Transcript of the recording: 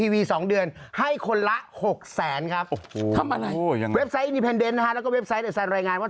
เว็บไซต์อินิเปนเดนต์และเว็บไซต์แอดไซน์รายงานว่า